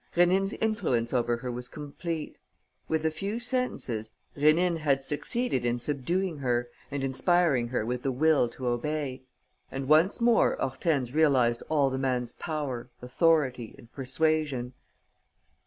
Rénine's influence over her was complete. With a few sentences Rénine had succeeded in subduing her and inspiring her with the will to obey. And once more Hortense realized all the man's power, authority and persuasion.